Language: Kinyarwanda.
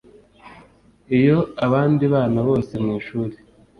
iyo abandi bana bose mwishuri